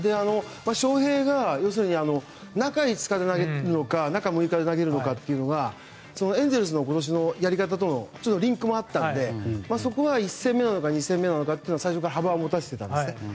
翔平が要するに中２日で投げるのか中６日で投げるのかがエンゼルスの今年のやり方とのリンクもあったので１戦目なのか２戦目なのか最初から幅を持たせていたんですね。